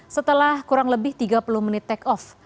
setelah kurang lebih tiga puluh menit take off